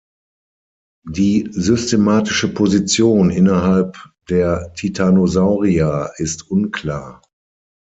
Die systematische Position innerhalb der Titanosauria ist unklar.